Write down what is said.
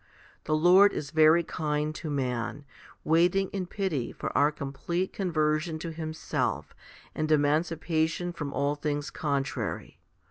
The Lord is very kind to man, waiting in pity for our complete conversion to Himself and emancipation from all things contrary.